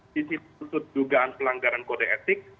sisi usut dugaan pelanggaran kode etik